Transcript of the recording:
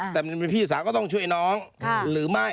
แต่พี่สาวก็ต้องช่วยน้องหรือไม่